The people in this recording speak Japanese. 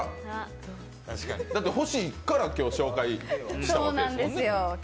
だって、欲しいから今日、紹介したわけですもんね。